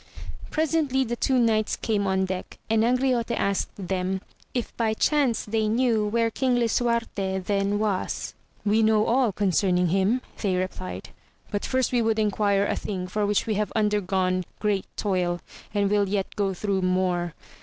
Presently the two knights came on deck, and Angriote asked them, if by chance they knew where King Lisuarte then was. We know all concerniog him, they replied, but first we would enquire a thing for which we have under gone great toil, and will yet go thro' more.